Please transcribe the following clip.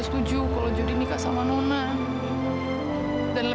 sampai jumpa di video selanjutnya